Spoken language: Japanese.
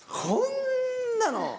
こんなの。